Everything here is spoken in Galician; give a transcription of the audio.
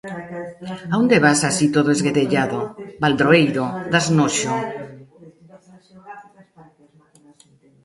A onde vas así todo esguedellado? Baldroeiro! Dás noxo!